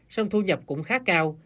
sông thu nhập cũng khá cao